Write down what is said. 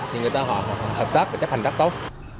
thì người ta họ hợp tác và chấp hành rất tốt